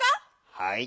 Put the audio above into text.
はい。